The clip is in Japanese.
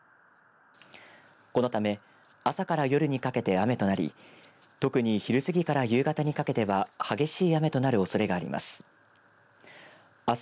このため朝から夜にかけて雨となり特に昼過ぎから夕方にかけては激しい雨となるおそれがあります。